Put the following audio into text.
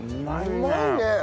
うまいね！